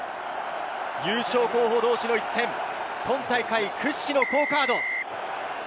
優勝候補同士の一戦、今大会屈指の好カード。